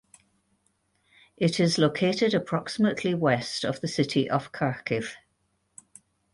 It is located approximately west of the city of Kharkiv.